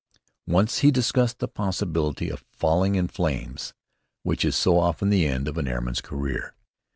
Once he discussed the possibility of "falling in flames," which is so often the end of an airman's career.